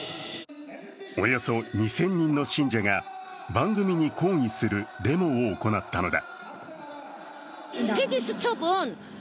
およそ２０００人の信者が番組に抗議するデモを行ったのだ。